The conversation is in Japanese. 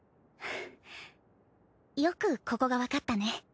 よくここがわかったね。